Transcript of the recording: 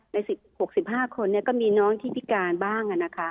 ใน๑๖๕คนก็มีน้องที่พิการบ้าง